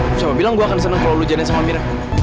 lo coba bilang gue akan seneng kalau lo jadain sama amira